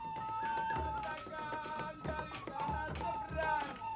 semoga tapak ada